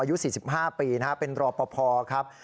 อายุ๔๕ปีเป็นรอปภครับ